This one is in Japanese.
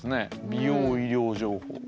美容医療情報。